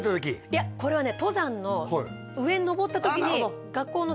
いやこれはね